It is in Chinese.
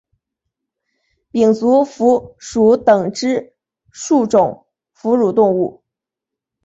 胼足蝠属等之数种哺乳动物。